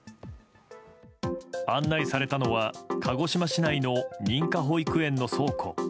案内されたのは鹿児島市内の認可保育園の倉庫。